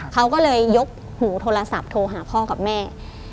เขาก็เลยยกหูโทรศัพท์โทรหาพ่อกับแม่